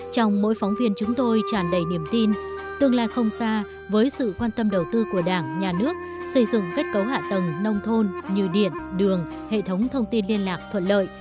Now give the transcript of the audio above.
trong mỗi phóng viên chúng tôi tràn đầy niềm tin tương lai không xa với sự quan tâm đầu tư của đảng nhà nước xây dựng kết cấu hạ tầng nông thôn như điện đường hệ thống thông tin liên lạc thuận lợi